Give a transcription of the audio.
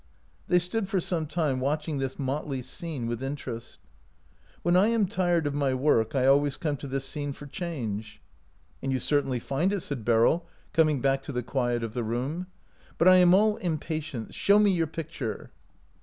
They stood for some time watching this motley scene with interest. " When I am tired of my work I always come to this scene for change." " And you certainly find it," said Beryl, no OUT OF BOHEMIA coming back to the quiet of the room. " But I am all impatience ; show me your picture."